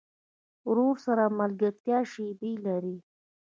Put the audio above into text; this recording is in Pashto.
ورور سره د ملګرتیا شیبې لرې.